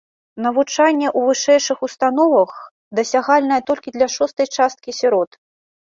Навучанне ў вышэйшых установах дасягальнае толькі для шостай часткі сірот.